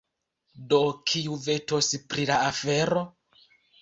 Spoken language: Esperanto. Do, kiu vetos pri la afero?